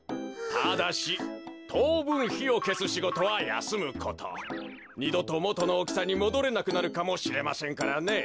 ただしとうぶんひをけすしごとはやすむこと。にどともとのおおきさにもどれなくなるかもしれませんからね。